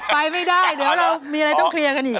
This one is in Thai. ไปไม่ได้เดี๋ยวเรามีอะไรต้องเคลียร์กันอีก